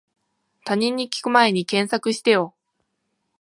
他人に聞くまえに検索してよ